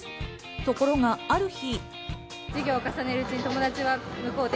ところがある日。